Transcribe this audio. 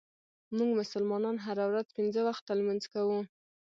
مونږ مسلمانان هره ورځ پنځه وخته لمونځ کوو.